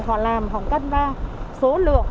họ làm họ cân ba số lượng